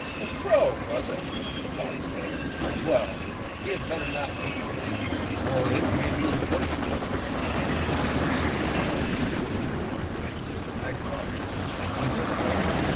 "A crow, was it?" the fox said. "Well, he had better not meet me or it may be the worse for him." The fox had no desire to continue the con versation with the magpie, and he went away.